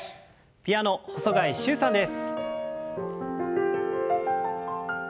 ピアノ細貝柊さんです。